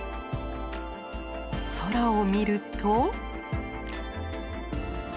空を見ると。